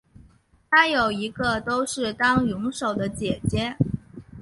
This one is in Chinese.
她有一个都是当泳手的姐姐。